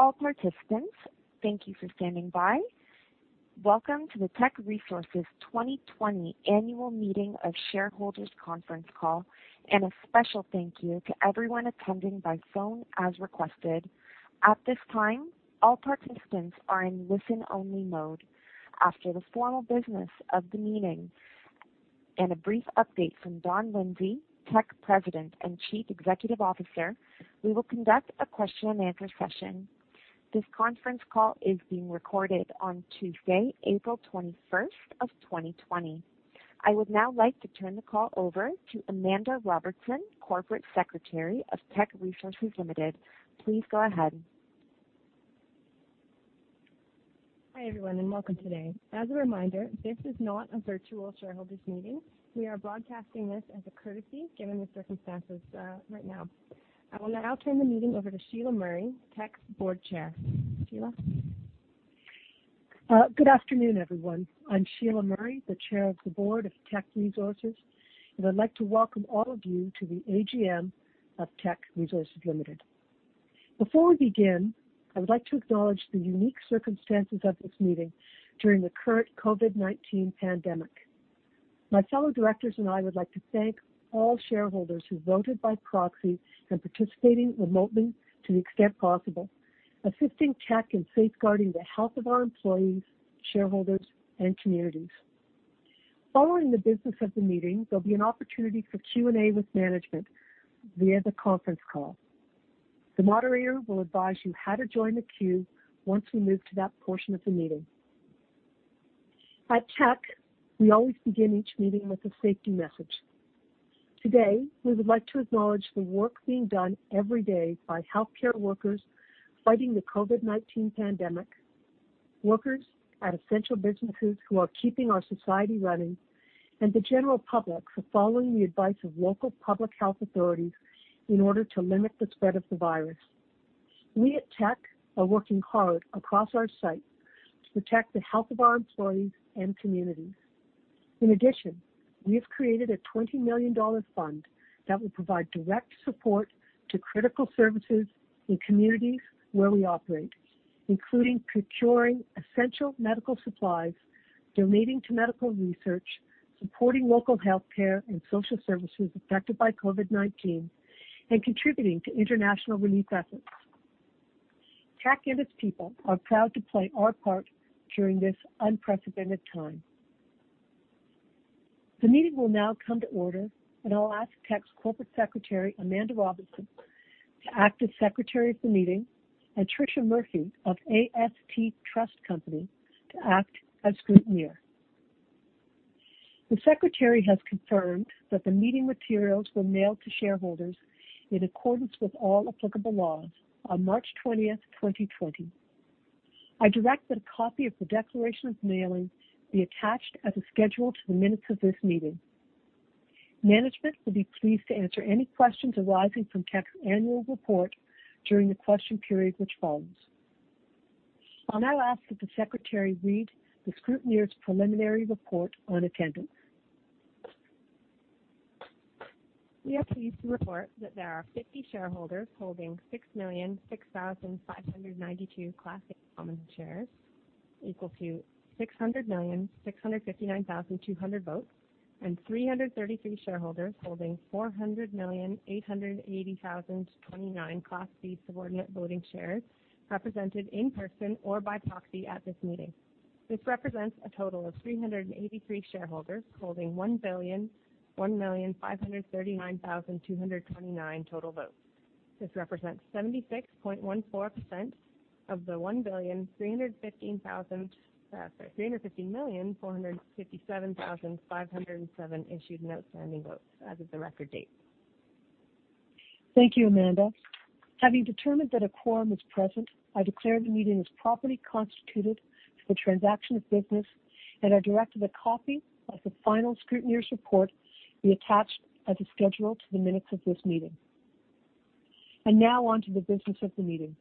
All participants, thank you for standing by. Welcome to the Teck Resources 2020 annual meeting of shareholders conference call. A special thank you to everyone attending by phone as requested. At this time, all participants are in listen-only mode. After the formal business of the meeting and a brief update from Don Lindsay, Teck President and Chief Executive Officer, we will conduct a question and answer session. This conference call is being recorded on Tuesday, April 21st of 2020. I would now like to turn the call over to Amanda Robertson, Corporate Secretary of Teck Resources Limited. Please go ahead. Hi, everyone. Welcome today. As a reminder, this is not a virtual shareholders' meeting. We are broadcasting this as a courtesy given the circumstances right now. I will now turn the meeting over to Sheila Murray, Teck's Board Chair. Sheila? Good afternoon, everyone. I'm Sheila Murray, the chair of the board of Teck Resources. I'd like to welcome all of you to the AGM of Teck Resources Limited. Before we begin, I would like to acknowledge the unique circumstances of this meeting during the current COVID-19 pandemic. My fellow directors and I would like to thank all shareholders who voted by proxy and participating remotely to the extent possible, assisting Teck in safeguarding the health of our employees, shareholders, and communities. Following the business of the meeting, there'll be an opportunity for Q&A with management via the conference call. The moderator will advise you how to join the queue once we move to that portion of the meeting. At Teck, we always begin each meeting with a safety message. Today, we would like to acknowledge the work being done every day by healthcare workers fighting the COVID-19 pandemic, workers at essential businesses who are keeping our society running, and the general public for following the advice of local public health authorities in order to limit the spread of the virus. We at Teck are working hard across our sites to protect the health of our employees and communities. In addition, we have created a 20 million dollar fund that will provide direct support to critical services in communities where we operate, including procuring essential medical supplies, donating to medical research, supporting local healthcare and social services affected by COVID-19, and contributing to international relief efforts. Teck and its people are proud to play our part during this unprecedented time. The meeting will now come to order, and I'll ask Teck's Corporate Secretary, Amanda Robertson, to act as secretary of the meeting and Tricia Murphy of AST Trust Company to act as scrutineer. The secretary has confirmed that the meeting materials were mailed to shareholders in accordance with all applicable laws on March 20, 2020. I direct that a copy of the declaration of mailing be attached as a schedule to the minutes of this meeting. Management will be pleased to answer any questions arising from Teck's annual report during the question period which follows. I'll now ask that the secretary read the scrutineer's preliminary report on attendance. We are pleased to report that there are 50 shareholders holding 6,006,592 Class A common shares, equal to 600,659,200 votes, and 333 shareholders holding 400,880,029 Class B subordinate voting shares represented in person or by proxy at this meeting. This represents a total of 383 shareholders holding 1,001,539,229 total votes. This represents 76.14% of the 1,315,457,507 issued and outstanding votes as of the record date. Thank you, Amanda. Having determined that a quorum is present, I declare the meeting is properly constituted for the transaction of business and I direct that a copy of the final scrutineer's report be attached as a schedule to the minutes of this meeting. Now on to the business of the meeting.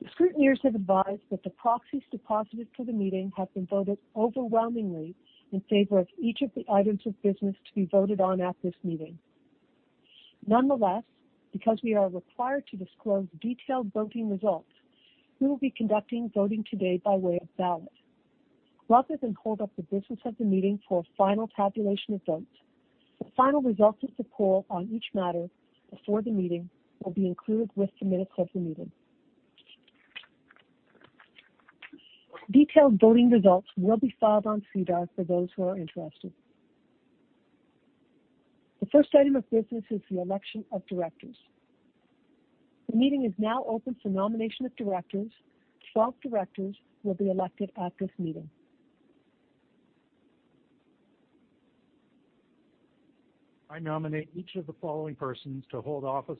The scrutineers have advised that the proxies deposited for the meeting have been voted overwhelmingly in favor of each of the items of business to be voted on at this meeting. Nonetheless, because we are required to disclose detailed voting results, we will be conducting voting today by way of ballot. Rather than hold up the business of the meeting for a final tabulation of votes, the final results of the poll on each matter before the meeting will be included with the minutes of the meeting. Detailed voting results will be filed on SEDAR for those who are interested. The first item of business is the election of directors. The meeting is now open for nomination of directors. 12 directors will be elected at this meeting. I nominate each of the following persons to hold office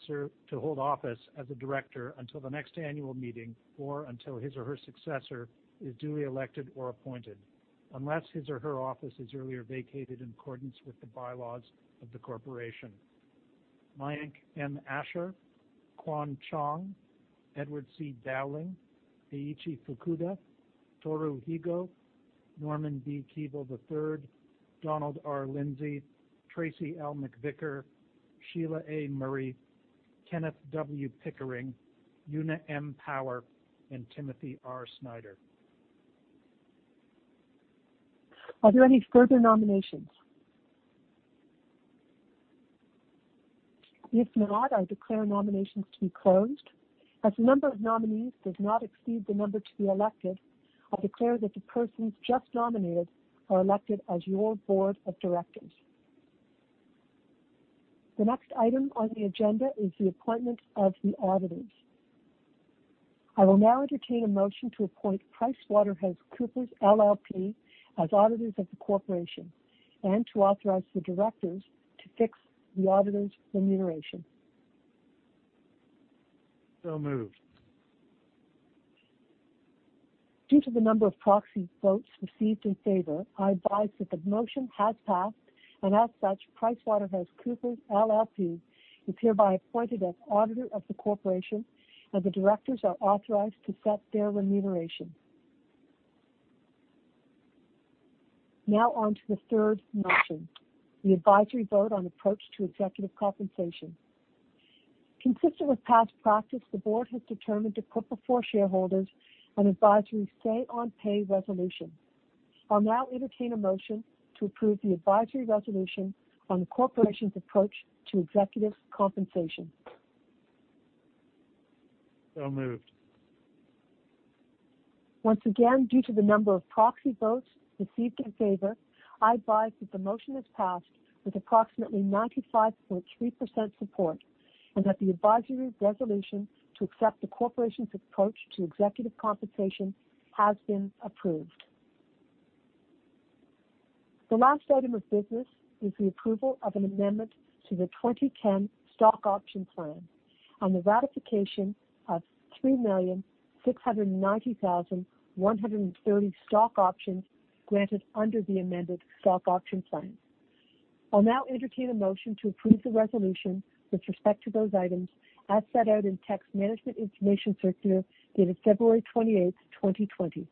as a director until the next annual meeting or until his or her successor is duly elected or appointed, unless his or her office is earlier vacated in accordance with the bylaws of the corporation. Mayank M. Ashar, Quan Chong, Edward C. Dowling, Eiichi Fukuda, Toru Higo Norman B. Keevil III, Donald R. Lindsay, Tracey L. McVicar, Sheila A. Murray, Kenneth W. Pickering, Una M. Power, and Timothy R. Snider. Are there any further nominations? If not, I declare nominations to be closed. As the number of nominees does not exceed the number to be elected, I declare that the persons just nominated are elected as your board of directors. The next item on the agenda is the appointment of the auditors. I will now entertain a motion to appoint PricewaterhouseCoopers LLP as auditors of the corporation and to authorize the directors to fix the auditors' remuneration. Moved. Due to the number of proxy votes received in favor, I advise that the motion has passed. As such, PricewaterhouseCoopers LLP is hereby appointed as auditor of the corporation, and the directors are authorized to set their remuneration. On to the third motion, the advisory vote on approach to executive compensation. Consistent with past practice, the board has determined to put before shareholders an advisory say on pay resolution. I'll now entertain a motion to approve the advisory resolution on the corporation's approach to executive compensation. Moved. Once again, due to the number of proxy votes received in favor, I advise that the motion has passed with approximately 95.3% support and that the advisory resolution to accept the corporation's approach to executive compensation has been approved. The last item of business is the approval of an amendment to the 2010 stock option plan and the ratification of 3,690,130 stock options granted under the amended stock option plan. I'll now entertain a motion to approve the resolution with respect to those items as set out in Teck's management information circular dated February 28th, 2020.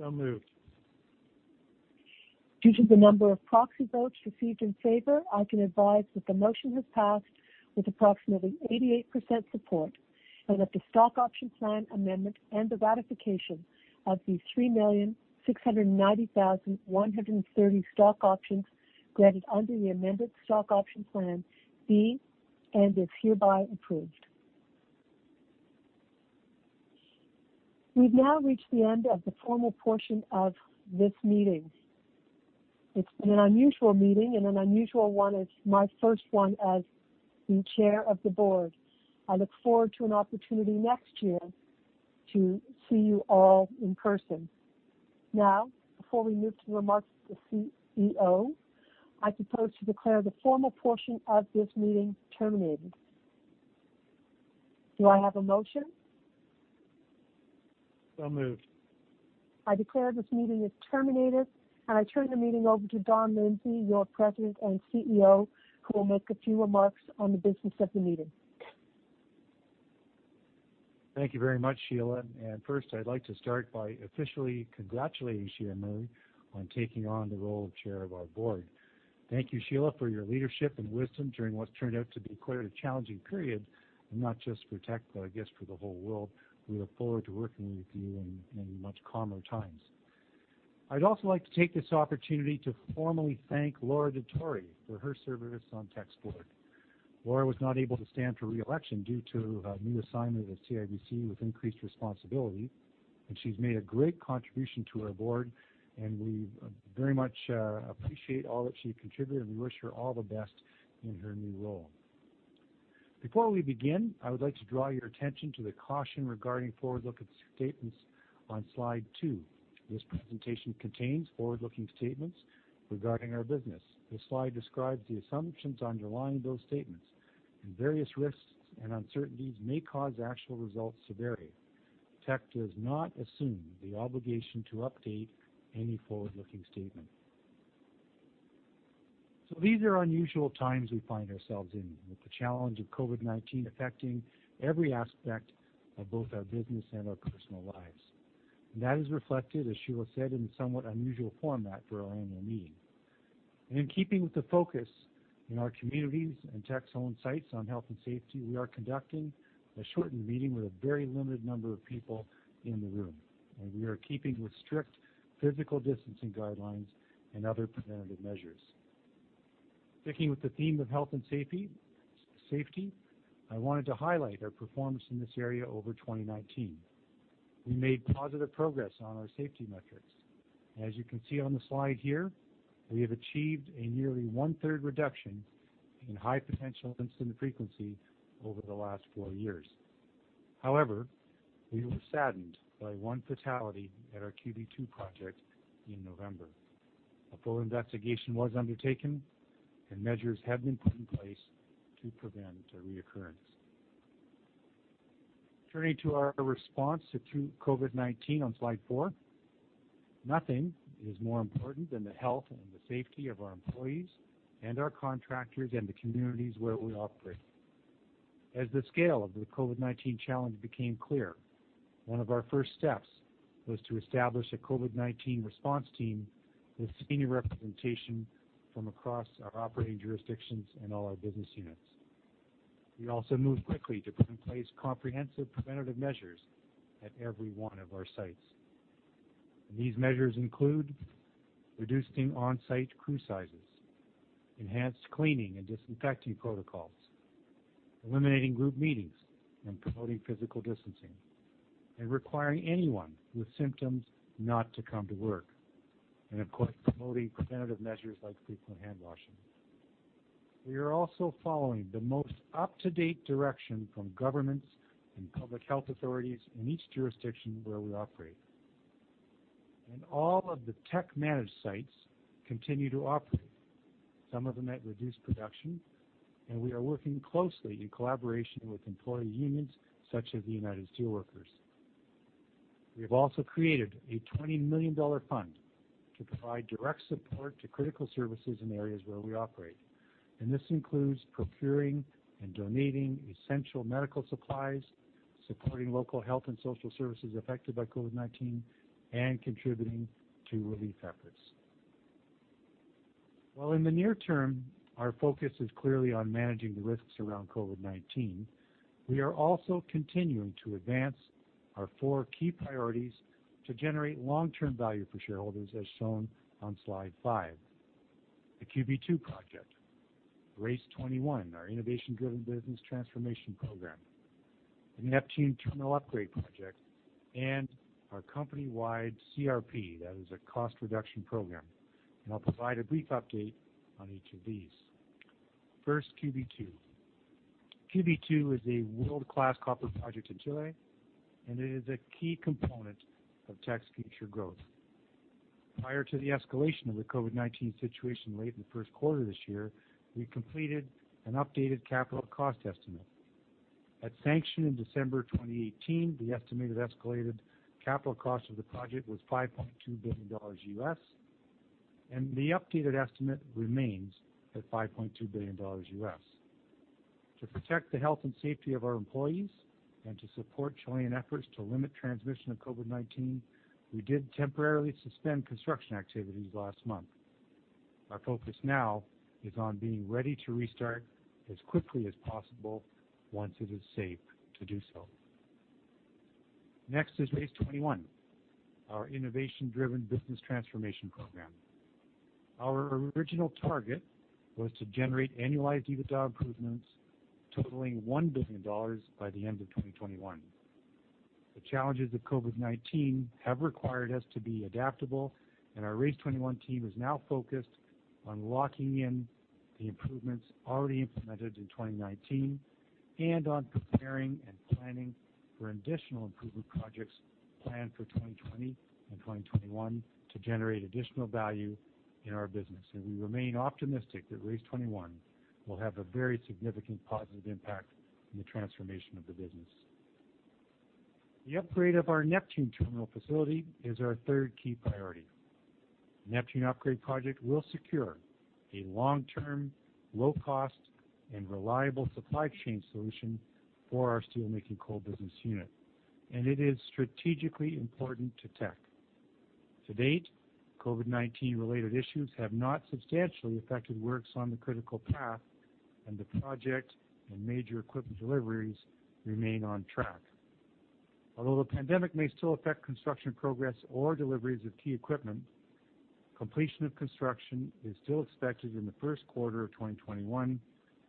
Moved. Due to the number of proxy votes received in favor, I can advise that the motion has passed with approximately 88% support and that the stock option plan amendment and the ratification of the 3,690,130 stock options granted under the amended stock option plan be and is hereby approved. We've now reached the end of the formal portion of this meeting. It's been an unusual meeting and an unusual one. It's my first one as the chair of the board. I look forward to an opportunity next year to see you all in person. Now, before we move to remarks from the CEO, I propose to declare the formal portion of this meeting terminated. Do I have a motion? Moved. I declare this meeting is terminated, and I turn the meeting over to Don Lindsay, your President and CEO, who will make a few remarks on the business of the meeting. Thank you very much, Sheila. First, I'd like to start by officially congratulating Sheila Murray on taking on the role of Chair of our Board. Thank you, Sheila, for your leadership and wisdom during what's turned out to be quite a challenging period, and not just for Teck, but I guess for the whole world. We look forward to working with you in much calmer times. I'd also like to take this opportunity to formally thank Laura Dottori-Attanasio for her service on Teck's Board. Laura was not able to stand for re-election due to a new assignment at CIBC with increased responsibility, and she's made a great contribution to our Board, and we very much appreciate all that she contributed, and we wish her all the best in her new role. Before we begin, I would like to draw your attention to the caution regarding forward-looking statements on slide two. This presentation contains forward-looking statements regarding our business. This slide describes the assumptions underlying those statements and various risks and uncertainties may cause actual results to vary. Teck does not assume the obligation to update any forward-looking statement. These are unusual times we find ourselves in with the challenge of COVID-19 affecting every aspect of both our business and our personal lives. That is reflected, as Sheila said, in the somewhat unusual format for our annual meeting. In keeping with the focus in our communities and Teck's own sites on health and safety, we are conducting a shortened meeting with a very limited number of people in the room. We are keeping with strict physical distancing guidelines and other preventative measures. Sticking with the theme of health and safety, I wanted to highlight our performance in this area over 2019. We made positive progress on our safety metrics. As you can see on the slide here, we have achieved a nearly one-third reduction in high potential incident frequency over the last four years. However, we were saddened by one fatality at our QB2 project in November. A full investigation was undertaken, and measures have been put in place to prevent a reoccurrence. Turning to our response to COVID-19 on slide four. Nothing is more important than the health and the safety of our employees and our contractors and the communities where we operate. As the scale of the COVID-19 challenge became clear, one of our first steps was to establish a COVID-19 response team with senior representation from across our operating jurisdictions and all our business units. We also moved quickly to put in place comprehensive preventative measures at every one of our sites. These measures include reducing on-site crew sizes, enhanced cleaning and disinfecting protocols, eliminating group meetings and promoting physical distancing, and requiring anyone with symptoms not to come to work, and of course, promoting preventative measures like frequent hand washing. We are also following the most up-to-date direction from governments and public health authorities in each jurisdiction where we operate. All of the Teck-managed sites continue to operate, some of them at reduced production, and we are working closely in collaboration with employee unions such as the United Steelworkers. We have also created a 20 million dollar fund to provide direct support to critical services in areas where we operate, and this includes procuring and donating essential medical supplies, supporting local health and social services affected by COVID-19, and contributing to relief efforts. While in the near term, our focus is clearly on managing the risks around COVID-19, we are also continuing to advance our four key priorities to generate long-term value for shareholders, as shown on slide five. The QB2 project, RACE21, our innovation-driven business transformation program, the Neptune Terminal upgrade project, and our company-wide CRP, that is a cost reduction program. I'll provide a brief update on each of these. First, QB2. QB2 is a world-class copper project in Chile, and it is a key component of Teck's future growth. Prior to the escalation of the COVID-19 situation late in the first quarter of this year, we completed an updated capital cost estimate. At sanction in December 2018, the estimated escalated capital cost of the project was $5.2 billion, and the updated estimate remains at $5.2 billion. To protect the health and safety of our employees and to support Chilean efforts to limit transmission of COVID-19, we did temporarily suspend construction activities last month. Our focus now is on being ready to restart as quickly as possible once it is safe to do so. Next is RACE21, our innovation-driven business transformation program. Our original target was to generate annualized EBITDA improvements totaling 1 billion dollars by the end of 2021. The challenges of COVID-19 have required us to be adaptable, and our RACE21 team is now focused on locking in the improvements already implemented in 2019 and on preparing and planning for additional improvement projects planned for 2020 and 2021 to generate additional value in our business. We remain optimistic that RACE21 will have a very significant positive impact on the transformation of the business. The upgrade of our Neptune Terminal facility is our third key priority. The Neptune upgrade project will secure a long-term, low-cost, and reliable supply chain solution for our steelmaking coal business unit, and it is strategically important to Teck. To date, COVID-19 related issues have not substantially affected works on the critical path, and the project and major equipment deliveries remain on track. Although the pandemic may still affect construction progress or deliveries of key equipment, completion of construction is still expected in the first quarter of 2021,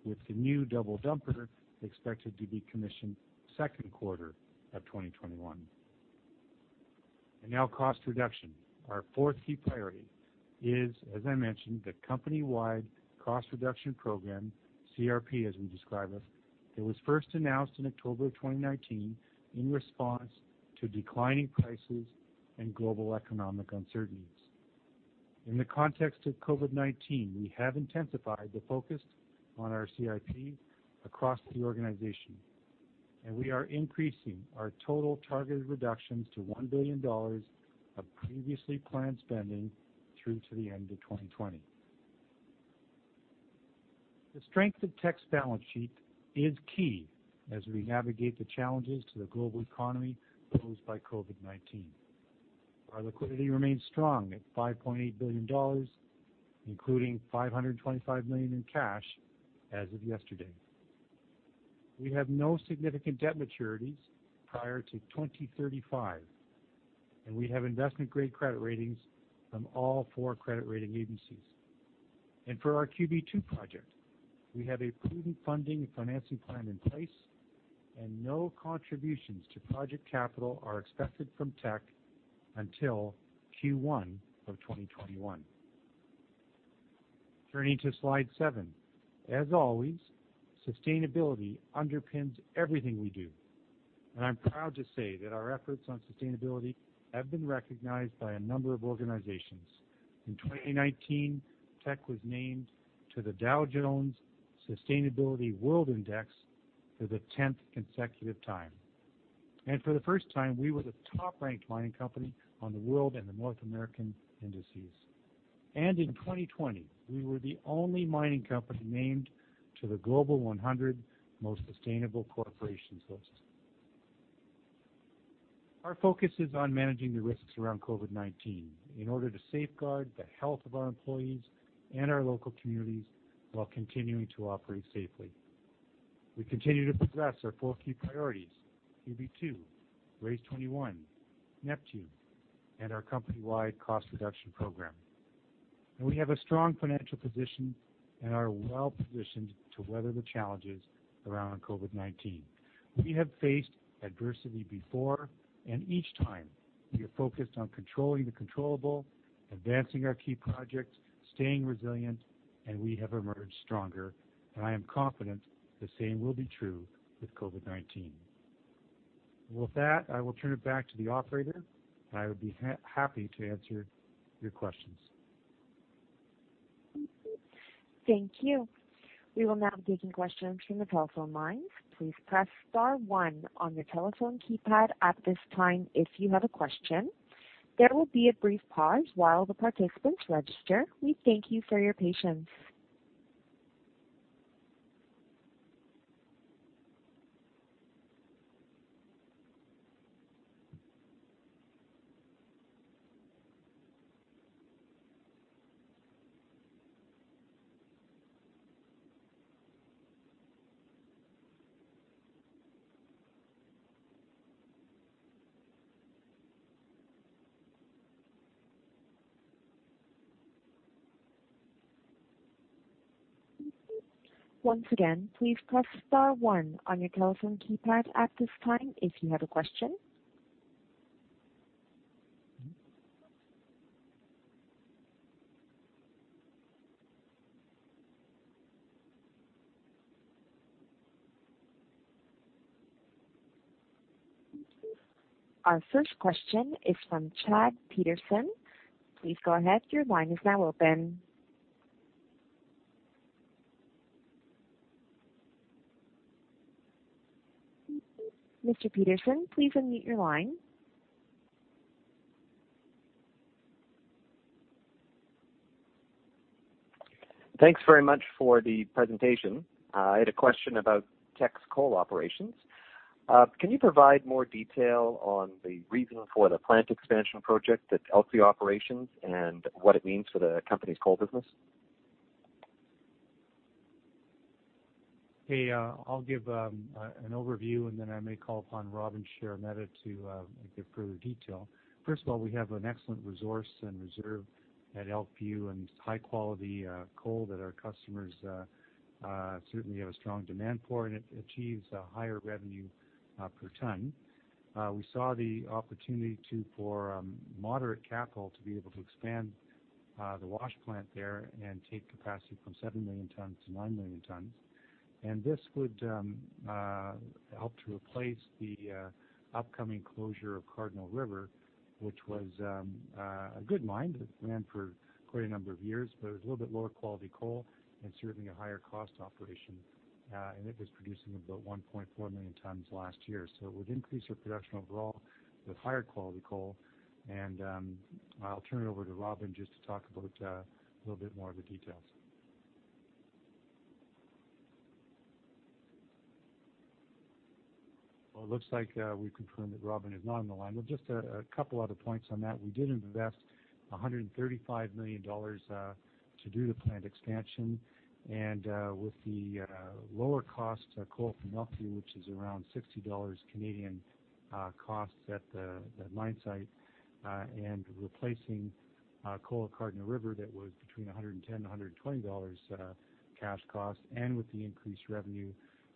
with the new double dumper expected to be commissioned second quarter of 2021. Now cost reduction. Our fourth key priority is, as I mentioned, the company-wide cost reduction program, CRP, as we describe it, that was first announced in October of 2019 in response to declining prices and global economic uncertainties. In the context of COVID-19, we have intensified the focus on our CRP across the organization, we are increasing our total targeted reductions to 1 billion dollars of previously planned spending through to the end of 2020. The strength of Teck's balance sheet is key as we navigate the challenges to the global economy posed by COVID-19. Our liquidity remains strong at 5.8 billion dollars, including 525 million in cash as of yesterday. We have no significant debt maturities prior to 2035, we have investment-grade credit ratings from all four credit rating agencies. For our QB2 project, we have a proven funding and financing plan in place, and no contributions to project capital are expected from Teck until Q1 of 2021. Turning to slide seven. As always, sustainability underpins everything we do, and I'm proud to say that our efforts on sustainability have been recognized by a number of organizations. In 2019, Teck was named to the Dow Jones Sustainability World Index for the 10th consecutive time. For the first time, we were the top-ranked mining company on the world and the North American indices. In 2020, we were the only mining company named to the Global 100 Most Sustainable Corporations list. Our focus is on managing the risks around COVID-19 in order to safeguard the health of our employees and our local communities while continuing to operate safely. We continue to progress our four key priorities, QB2, RACE21, Neptune, and our company-wide cost reduction program. We have a strong financial position and are well-positioned to weather the challenges around COVID-19. We have faced adversity before, and each time we are focused on controlling the controllable, advancing our key projects, staying resilient, and we have emerged stronger, and I am confident the same will be true with COVID-19. With that, I will turn it back to the operator, and I would be happy to answer your questions. Thank you. We will now be taking questions from the telephone lines. Please press star one on your telephone keypad at this time if you have a question. There will be a brief pause while the participants register. We thank you for your patience. Once again, please press star one on your telephone keypad at this time if you have a question. Our first question is from Chad Peterson. Please go ahead. Your line is now open. Mr. Peterson, please unmute your line. Thanks very much for the presentation. I had a question about Teck's coal operations. Can you provide more detail on the reason for the plant expansion project at Elkview Operations and what it means for the company's coal business? Hey, I'll give an overview, then I may call upon Robin Sheremeta to give further detail. First of all, we have an excellent resource and reserve at Elkview and high-quality coal that our customers certainly have a strong demand for, and it achieves a higher revenue per ton. We saw the opportunity to, for moderate capital, to be able to expand the wash plant there and take capacity from seven million tons to nine million tons. This would help to replace the upcoming closure of Cardinal River, which was a good mine. It ran for quite a number of years, but it was a little bit lower quality coal and certainly a higher cost operation. It was producing about 1.4 million tons last year. It would increase our production overall with higher quality coal, and I'll turn it over to Robin just to talk about a little bit more of the details. It looks like we've confirmed that Robin is not on the line, but just a couple other points on that. We did invest $135 million to do the planned expansion, and with the lower cost coal from Elkview, which is around 60 Canadian dollars costs at the mine site, and replacing coal at Cardinal River, that was between 110-120 dollars cash cost, and with the increased revenue,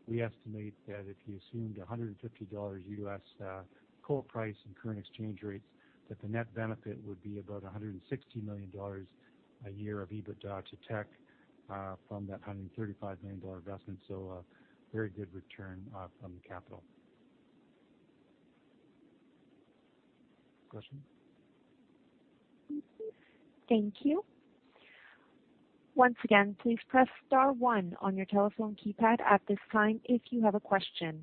we estimate that if you assumed $150 US coal price and current exchange rates, that the net benefit would be about $160 million a year of EBITDA to Teck from that $135 million investment. A very good return from the capital. Question? Thank you. Once again, please press star one on your telephone keypad at this time if you have a question.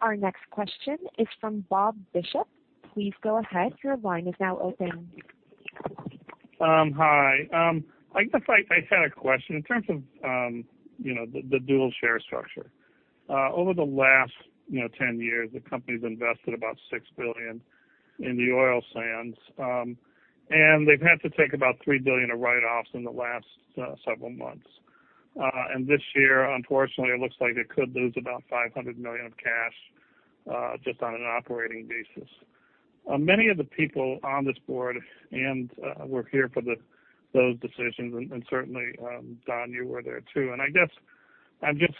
Our next question is from Bob Bishop. Please go ahead. Your line is now open. Hi. I guess I had a question in terms of the dual share structure. Over the last 10 years, the company's invested about 6 billion in the oil sands, and they've had to take about 3 billion of write-offs in the last several months. This year, unfortunately, it looks like they could lose about 500 million of cash just on an operating basis. Many of the people on this board and were here for those decisions, certainly, Don, you were there, too. I guess I'm just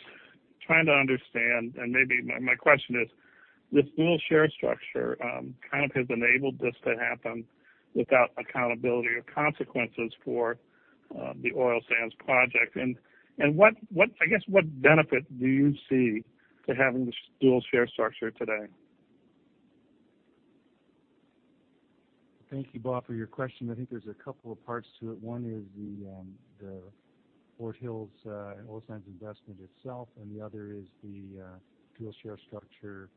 trying to understand, maybe my question is, this dual share structure kind of has enabled this to happen without accountability or consequences for the oil sands project. I guess, what benefit do you see to having this dual share structure today? Thank you, Bob, for your question. I think there's a couple of parts to it. One is the Fort Hills oil sands investment itself, and the other is the dual share structure.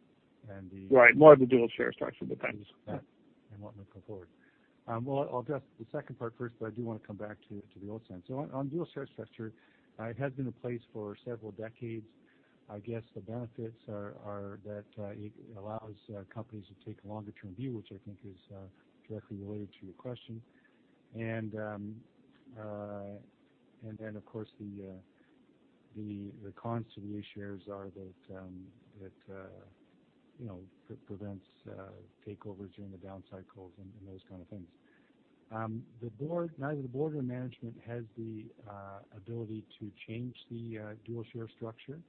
Right. More the dual share structure, but thanks What might come forward. Well, I'll address the second part first, but I do want to come back to the oil sands. On dual share structure, it has been in place for several decades. I guess the benefits are that it allows companies to take a longer-term view, which I think is directly related to your question. Of course, the cons to the new shares are that it prevents takeovers during the down cycles and those kind of things. Neither the board nor management has the ability to change the dual share structure.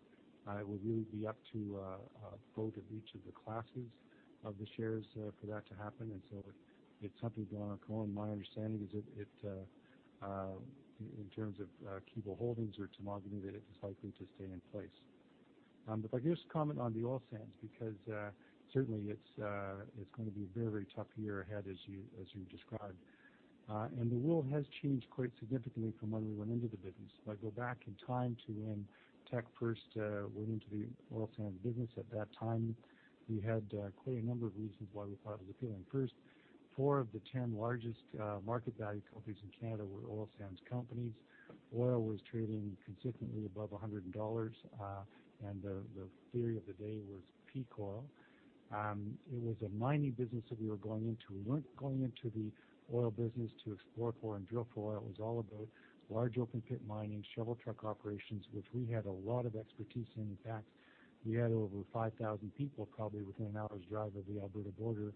It would really be up to a vote of each of the classes of the shares for that to happen. If something's going on, my understanding is, in terms of Keevil Holdings or Temasek, that it is likely to stay in place. If I could just comment on the oil sands, because certainly it's going to be a very tough year ahead as you described. The world has changed quite significantly from when we went into the business. If I go back in time to when Teck first went into the oil sands business, at that time, we had quite a number of reasons why we thought it was appealing. First, four of the 10 largest market value companies in Canada were oil sands companies. Oil was trading consistently above 100 dollars, and the theory of the day was peak oil. It was a mining business that we were going into. We weren't going into the oil business to explore for and drill for oil. It was all about large open pit mining, shovel truck operations, which we had a lot of expertise in. In fact, we had over 5,000 people, probably within an hour's drive of the Alberta border,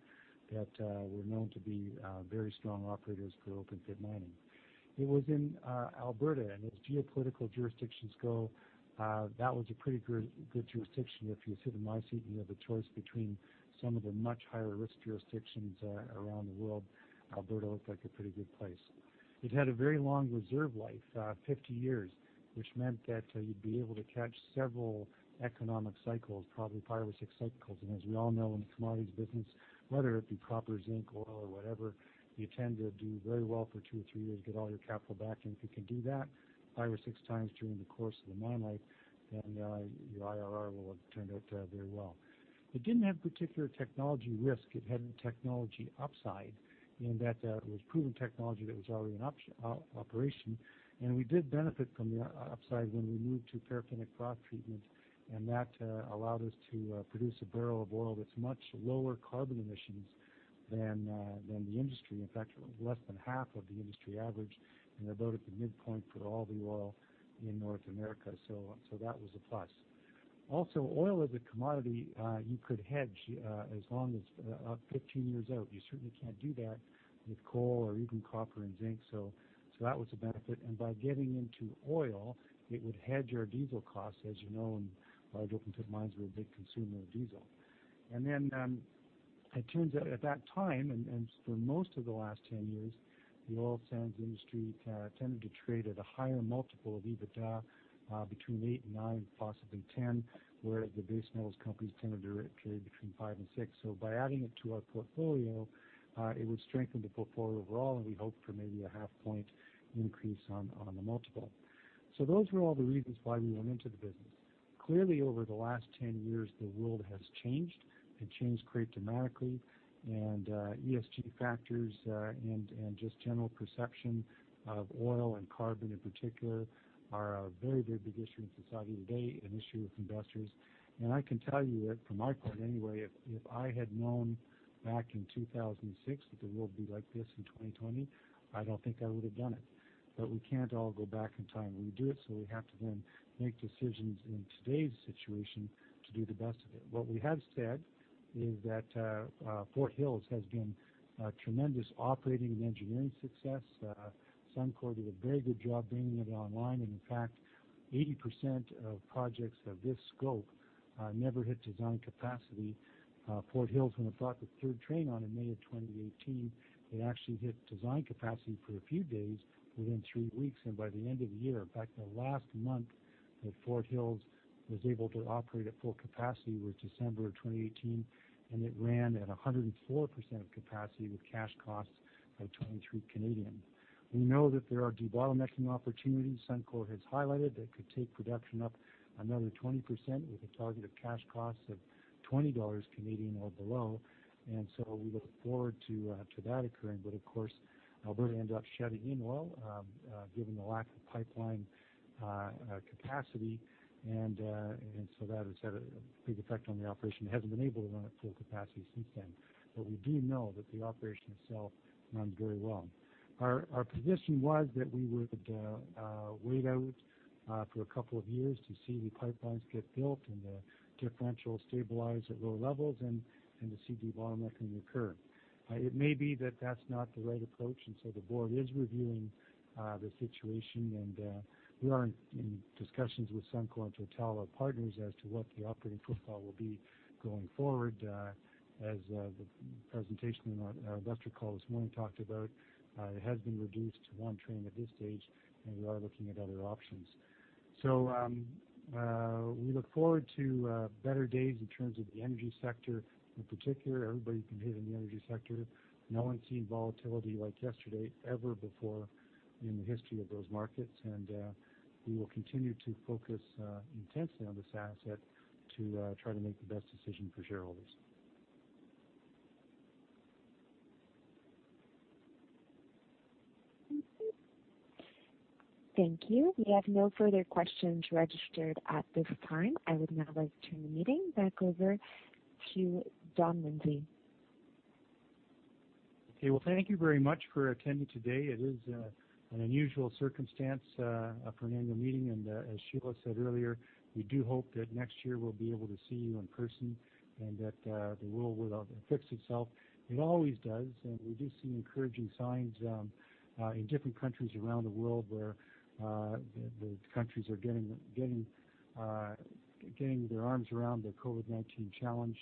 that were known to be very strong operators for open pit mining. It was in Alberta, as geopolitical jurisdictions go, that was a pretty good jurisdiction. If you sit in my seat and you have a choice between some of the much higher risk jurisdictions around the world, Alberta looked like a pretty good place. It had a very long reserve life, 50 years, which meant that you'd be able to catch several economic cycles, probably five or six cycles. As we all know in the commodities business, whether it be copper, zinc, oil, or whatever, you tend to do very well for two or three years, get all your capital back. If you can do that five or six times during the course of the mine life, then your IRR will have turned out very well. It didn't have particular technology risk. It had technology upside in that it was proven technology that was already in operation, and we did benefit from the upside when we moved to paraffinic froth treatment, and that allowed us to produce a barrel of oil with much lower carbon emissions than the industry. In fact, less than half of the industry average and about at the midpoint for all the oil in North America. That was a plus. Also, oil is a commodity you could hedge as long as 15 years out. You certainly can't do that with coal or even copper and zinc, so that was a benefit. By getting into oil, it would hedge our diesel costs. As you know, large open pit mines were a big consumer of diesel. Then it turns out at that time, and for most of the last 10 years, the oil sands industry tended to trade at a higher multiple of EBITDA, between eight and nine, possibly 10, whereas the base metals companies tended to trade between five and six. By adding it to our portfolio, it would strengthen the portfolio overall, and we hoped for maybe a half point increase on the multiple. Those were all the reasons why we went into the business. Clearly, over the last 10 years, the world has changed. It changed quite dramatically, and ESG factors and just general perception of oil and carbon in particular are a very big issue in society today, an issue with investors. I can tell you that from my point anyway, if I had known back in 2006 that the world would be like this in 2020, I don't think I would have done it. We can't all go back in time, and redo it, so we have to then make decisions in today's situation to do the best with it. What we have said is that Fort Hills has been a tremendous operating and engineering success. Suncor did a very good job bringing it online, and in fact, 80% of projects of this scope never hit design capacity. Fort Hills, when it brought the third train on in May of 2018, it actually hit design capacity for a few days within three weeks, and by the end of the year. In fact, the last month that Fort Hills was able to operate at full capacity was December of 2018, and it ran at 104% of capacity with cash costs of 23. We know that there are debottlenecking opportunities Suncor has highlighted that could take production up another 20% with a target of cash costs of 20 dollars or below, and so we look forward to that occurring. Of course, Alberta ended up shedding in oil given the lack of pipeline capacity, and so that has had a big effect on the operation. It hasn't been able to run at full capacity since then, but we do know that the operation itself runs very well. Our position was that we would wait out for a couple of years to see the pipelines get built and the differential stabilize at low levels and to see debottlenecking occur. It may be that that's not the right approach, and so the board is reviewing the situation, and we are in discussions with Suncor and Total, our partners, as to what the operating profile will be going forward. As the presentation in our investor call this morning talked about, it has been reduced to one train at this stage, and we are looking at other options. We look forward to better days in terms of the energy sector in particular. Everybody's been hit in the energy sector. No one's seen volatility like yesterday ever before in the history of those markets, and we will continue to focus intensely on this asset to try to make the best decision for shareholders. Thank you. We have no further questions registered at this time. I would now like to turn the meeting back over to Don Lindsay. Well, thank you very much for attending today. It is an unusual circumstance for an annual meeting. As Sheila said earlier, we do hope that next year we'll be able to see you in person and that the world will fix itself. It always does. We do see encouraging signs in different countries around the world where the countries are getting their arms around the COVID-19 challenge.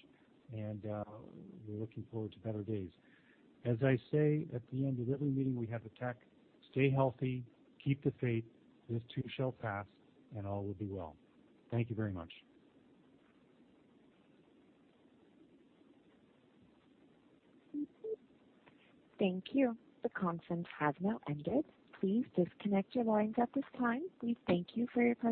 We're looking forward to better days. As I say at the end of every meeting we have at Teck, stay healthy, keep the faith, this too shall pass. All will be well. Thank you very much. Thank you. The conference has now ended. Please disconnect your lines at this time. We thank you for your participation.